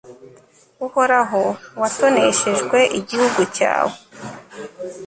uhoraho, watonesheje igihugu cyawe